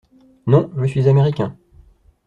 Non, je suis américain.